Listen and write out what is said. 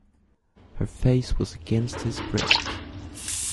Her face was against his breast.